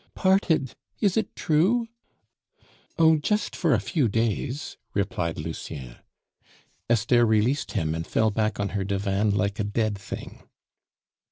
"Parted. Is it true?" "Oh, just for a few days," replied Lucien. Esther released him, and fell back on her divan like a dead thing.